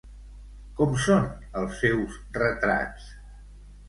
Com són els seus retrats?